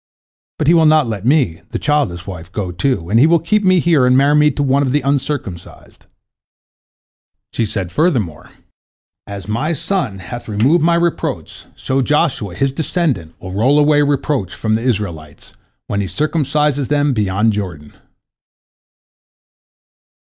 But he will not let me, the childless wife, go, too, and he will keep me here and marry me to one of the uncircumcised." She said furthermore, "As my son hath removed my reproach, so Joshua, his descendant, will roll away a reproach from the Israelites, when he circumcises them beyond Jordan."